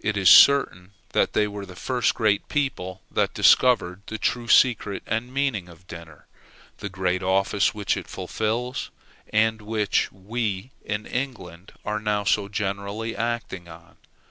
It is certain that they were the first great people that discovered the true secret and meaning of dinner, the great office which it fulfils, and which we in England are now so generally acting on.